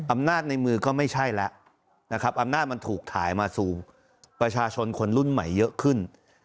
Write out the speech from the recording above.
ในมือก็ไม่ใช่แล้วนะครับอำนาจมันถูกถ่ายมาสู่ประชาชนคนรุ่นใหม่เยอะขึ้น